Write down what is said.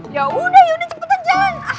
ya udah yaudah cepet aja jalan